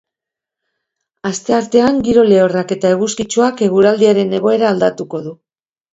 Asteartean, giro lehorrak eta eguzkitsuak eguraldiaren egoera aldatuko du.